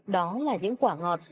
đó là những quả ngọt